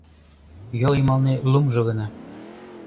Йол йымалне лумжо гына